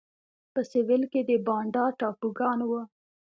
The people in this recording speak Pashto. په سوېل کې د بانډا ټاپوګان وو.